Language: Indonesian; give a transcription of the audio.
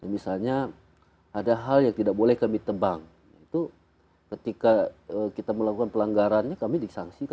misalnya ada hal yang tidak boleh kami tebang itu ketika kita melakukan pelanggarannya kami disangsikan